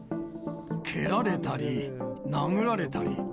蹴られたり、殴られたり。